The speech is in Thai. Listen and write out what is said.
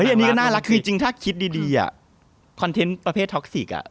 อันนี้ก็น่ารักคือจริงถ้าคิดดีคอนเทนต์ประเภทท็อกซิก